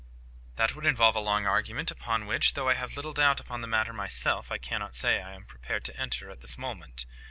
"That would involve a long argument, upon which, though I have little doubt upon the matter myself, I cannot say I am prepared to enter at this moment.